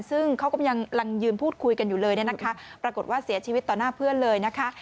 ซึ่งเขากำลังยืนพูดคุยกันอยู่เลยเนี่ยนะคะปรากฏว่าเสียชีวิตต่อหน้าเพื่อนเลยนะคะ